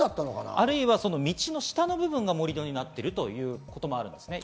あるいは道の下の部分が盛り土になっているということもあります。